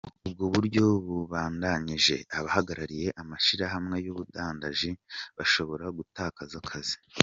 Ubwo buryo bubandanije, abahagarariye amashirahamwe y'ubudandaji bashobora gutakaza akazi.